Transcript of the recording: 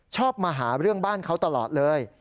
ชอบมาหาเรื่องบ้านเขาตลอดเลย